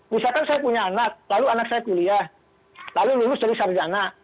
misalkan saya punya anak lalu anak saya kuliah lalu lulus dari sarjana